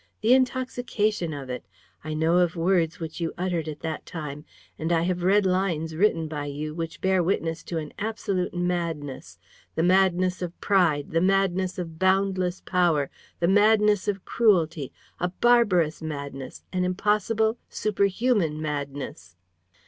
The intoxication of it! I know of words which you uttered at that time and I have read lines written by you which bear witness to an absolute madness: the madness of pride, the madness of boundless power, the madness of cruelty; a barbarous madness, an impossible, superhuman madness.